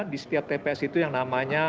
di setiap tps itu yang namanya